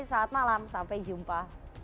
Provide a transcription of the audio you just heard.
selamat malam sampai jumpa